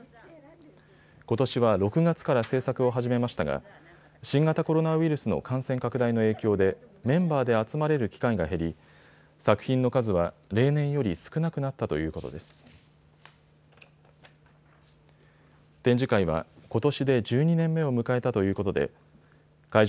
ことしは６月から制作を始めましたが新型コロナウイルスの感染拡大の影響でメンバーで集まれる機会が減り、作品の数は例年より少なくなったということです。